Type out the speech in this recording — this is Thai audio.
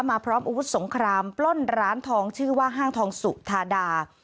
พร้อมอาวุธสงครามปล้นร้านทองชื่อว่าห้างทองสุธาดา